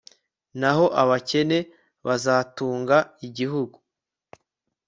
naho abakene bazatunga igihugu